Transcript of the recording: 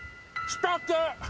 きたけ。